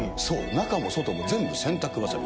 中も外も全部洗濯ばさみ。